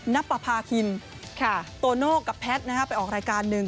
นับประพาคินโตโน่กับแพทไปออกรายการนึง